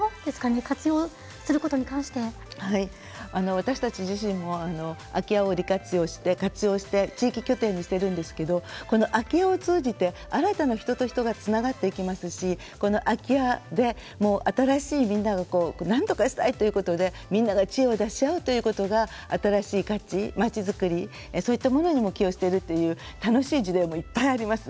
私たち自身も空き家を活用して地域拠点にしているんですけどこの空き家を通じて新たな人と人がつながっていきますしこの空き家で新しいみんなをなんとかしたいということでみんなが知恵を出し合うということが新しい価値街づくりそういったものにも寄与しているという楽しい事例もいっぱいあります。